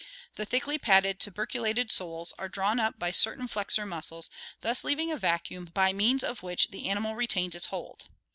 The thickly padded tuberculated soles are drawn up by certain flexor muscles, thus leaving a vacuum by means of which the animal retains its hold.